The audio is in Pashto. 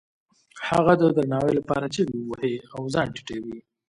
هغوی د درناوي لپاره چیغې وهي او ځان ټیټوي.